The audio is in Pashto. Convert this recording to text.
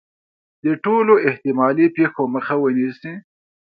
د ټولو احتمالي پېښو مخه ونیسي.